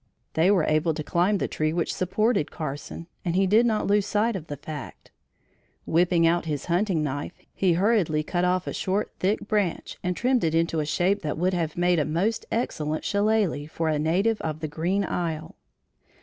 They were able to climb the tree which supported Carson, and he did not lose sight of the fact. Whipping out his hunting knife, he hurriedly cut off a short thick branch and trimmed it into a shape that would have made a most excellent shillelagh for a native of the Green Isle.